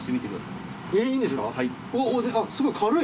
いいんですか。